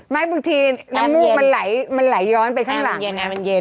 ไม่บางทีมันไหลย้อนไปข้างหลังแอมมันเย็นแอมมันเย็น